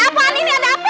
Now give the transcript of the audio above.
eh ada apa ani ini ada apa